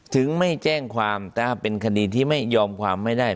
ถึงไม่แจ้งความถ้าเป็นคดีที่ไม่ยอมความไม่ได้